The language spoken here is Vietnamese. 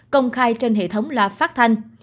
công khai trên hệ thống loa phát thanh